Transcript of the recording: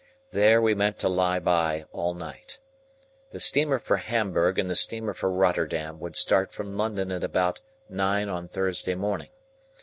There, we meant to lie by all night. The steamer for Hamburg and the steamer for Rotterdam would start from London at about nine on Thursday morning.